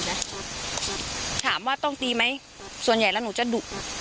ถามว่าต้องตีไหมส่วนใหญ่แล้วหนูจะดุ